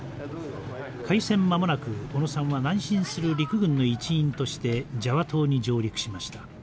開戦間もなく小野さんは南進する陸軍の一員としてジャワ島に上陸しました。